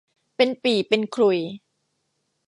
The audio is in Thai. เป็นปี่เป็นขลุ่ย